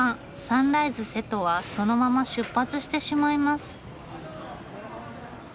サンライズ瀬戸はそのまま出発してしまいます。